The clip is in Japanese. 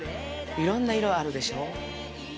いろんな色があるでしょう。